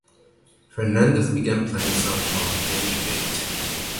Fernandez began playing softball at the age of eight.